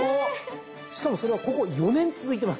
しかもそれはここ４年続いてます。